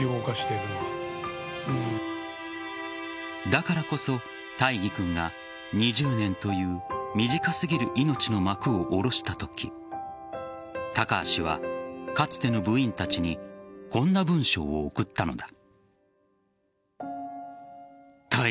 だからこそ大義君が２０年という短すぎる命の幕を下ろしたとき高橋は、かつての部員たちにこんな文章を送ったのだ。